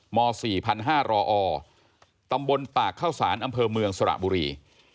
ม๔๕๐๐รอตำบลปากเข้าสารอำเภอเมืองสระบุรี